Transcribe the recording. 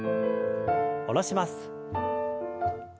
下ろします。